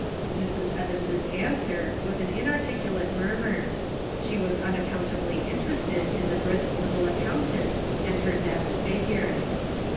Mrs. Evans' answer was an inarticulate mur mur; she was unaccountably interested in the brisk little accountant and her deft figures.